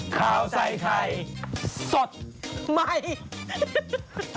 ข่าวใส่ไข่สดใหม่